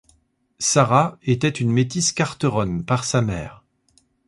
Sarah était une métis quarteronne par sa mère.